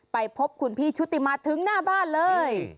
ไปพบคุณพี่ชุติมาถึงหน้าบ้านเลย